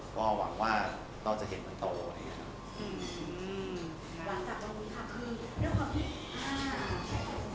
ก็หวังว่าเราจะเห็นมันโตนะครับ